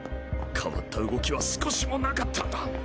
変わった動きは少しもなかったんだ！